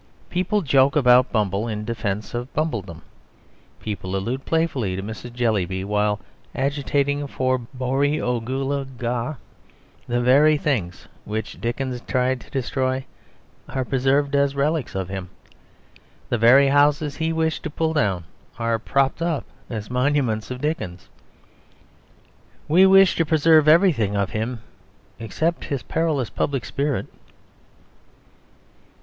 People joke about Bumble in defence of Bumbledom; people allude playfully to Mrs. Jellyby while agitating for Borrioboola Gha. The very things which Dickens tried to destroy are preserved as relics of him. The very houses he wished to pull down are propped up as monuments of Dickens. We wish to preserve everything of him, except his perilous public spirit.